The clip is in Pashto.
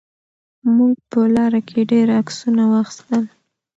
موږ په لاره کې ډېر عکسونه واخیستل.